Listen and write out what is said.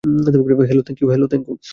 Hello, thank you.